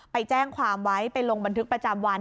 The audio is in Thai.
ไปแจ้งความไว้ไปลงบันทึกประจำวัน